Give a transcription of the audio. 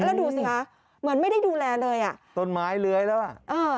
แล้วดูสิคะเหมือนไม่ได้ดูแลเลยอ่ะต้นไม้เลื้อยแล้วอ่ะเออ